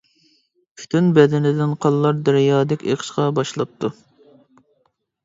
پۈتۈن بەدىنىدىن قانلار دەريادەك ئېقىشقا باشلاپتۇ.